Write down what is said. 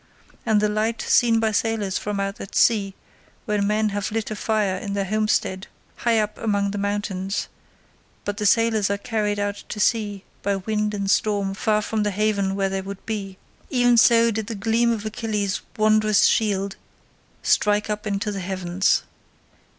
As the light seen by sailors from out at sea, when men have lit a fire in their homestead high up among the mountains, but the sailors are carried out to sea by wind and storm far from the haven where they would be—even so did the gleam of Achilles' wondrous shield strike up into the heavens.